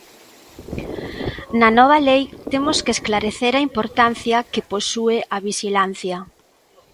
Na nova lei temos que esclarecer a importancia que posúe a vixilancia.